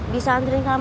bisa anterin kamu